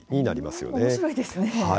おもしろいですね。